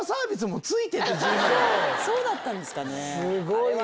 そうだったんですかね。